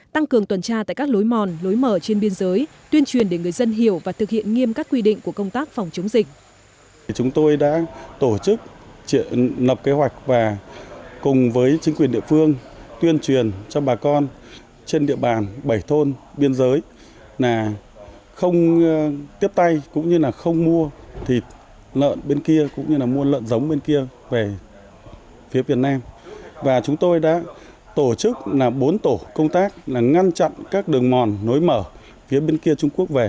tăng cường tuần tra tại các lối mòn lối mở trên biên giới tuyên truyền để người dân hiểu và thực hiện nghiêm các quy định của công tác phòng chống dịch